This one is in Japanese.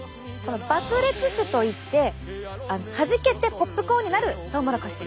爆裂種といってはじけてポップコーンになるトウモロコシ。